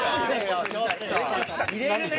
入れるね！